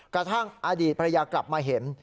กระทั่งอดีตภรรยากลับมาเห็น